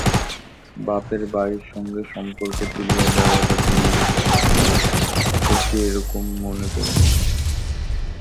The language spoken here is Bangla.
বাপের বাড়ির সঙ্গে সম্পর্ক তুলিয়া দেওয়াটা বিন্দুর শাস্তি, শশী এইরকম মনে করে।